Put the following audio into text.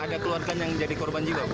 ada keluarganya yang jadi korban juga ibu